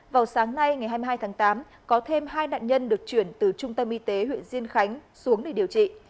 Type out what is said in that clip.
vào sáng nay ngày hai mươi hai tháng tám có thêm hai nạn nhân được chuyển từ trung tâm y tế huyện diên khánh xuống để điều trị